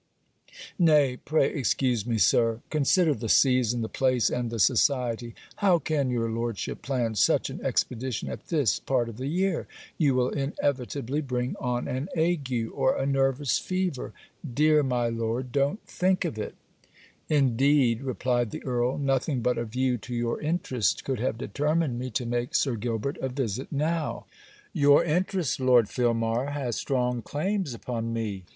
'Nay, pray excuse me, Sir. Consider the season, the place, and the society. How can your lordship plan such an expedition at this part of the year? You will inevitably bring on an ague, or a nervous fever. Dear, my Lord, don't think of it!' 'Indeed,' replied the Earl, 'nothing but a view to your interest could have determined me to make Sir Gilbert a visit now. Your interest, Lord Filmar, has strong claims upon me.